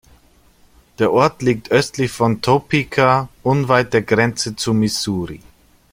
Der Ort liegt östlich von Topeka, unweit der Grenze zu Missouri.